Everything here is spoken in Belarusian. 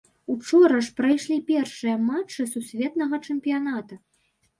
Учора ж прайшлі першыя матчы сусветнага чэмпіяната.